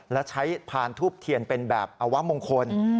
และใช้พานทูบเทียนเป็นแบบอวะมงคล